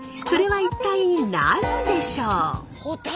それは一体何でしょう？